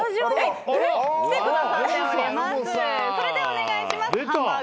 お願いします。